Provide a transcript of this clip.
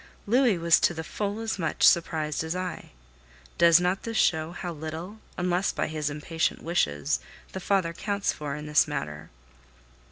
Louis was to the full as much surprised as I. Does not this show how little, unless by his impatient wishes, the father counts for in this matter?